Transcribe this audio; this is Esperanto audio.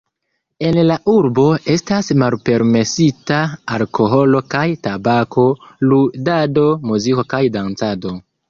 En la urbo estas malpermesitaj alkoholo kaj tabako, ludado, muziko kaj dancado.